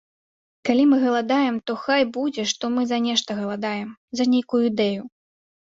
Калі мы галадаем, то хай будзе, што мы за нешта галадаем, за нейкую ідэю.